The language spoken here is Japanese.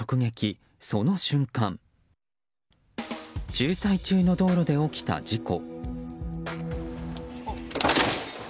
渋滞中の道路で起きた事故。